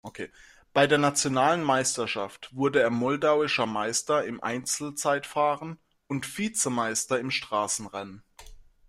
Bei der nationalen Meisterschaft wurde er moldauischer Meister im Einzelzeitfahren und Vizemeister im Straßenrennen.